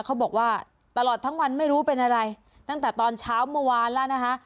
เขาบอกว่าตลอดทั้งวันไม่รู้เป็นอะไรตั้งแต่ตอนเช้าเมื่อวานแล้วนะคะ